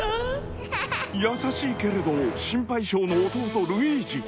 ［優しいけれど心配性の弟ルイージ］